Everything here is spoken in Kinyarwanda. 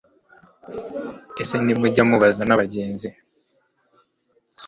ese ntimujya mubaza n'abagenzi